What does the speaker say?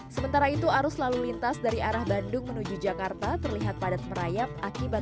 sementara itu arus lalu lintas dari arah bandung menuju jakarta terlihat padat merayap akibat